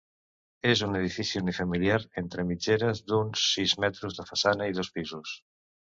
És un edifici unifamiliar entre mitgeres d'uns sis metres de façana i dos pisos.